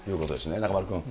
中丸君。